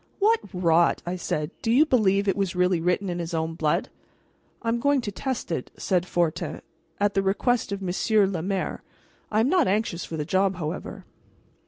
"What rot!" I said. "Do you believe it was really written in his own blood?" "I am going to test it," said Fortin, "at the request of Monsieur le Maire. I am not anxious for the job, however."